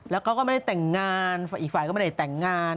แล้วเขาก็ไม่ได้แต่งงานฝ่ายอีกฝ่ายก็ไม่ได้แต่งงาน